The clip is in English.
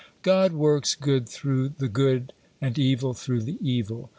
"God works good through the good, and evil through the evil."